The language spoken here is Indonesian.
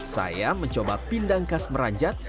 saya mencoba pindang khas meranjat